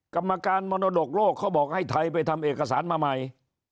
กรรมการมรดกโลกเขาบอกให้ไทยไปทำเอกสารมาใหม่